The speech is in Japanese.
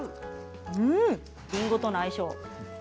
りんごとの相性。